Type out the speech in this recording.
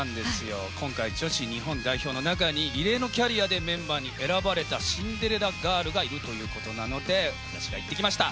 今回、女子日本代表の中に異例のキャリアでメンバーに選ばれたシンデレラガールがいるということなので私が行ってきました。